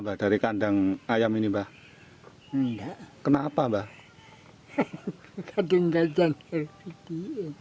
tidak ada tempat tinggal lagi